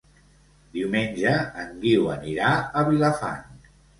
Diumenge en Guiu anirà a Vilafant.